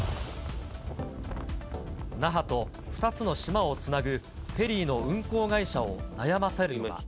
那覇と２つの島をつなぐフェリーの運航会社を悩ませるのは。